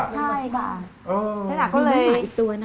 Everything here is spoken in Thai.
ใช่ค่ะ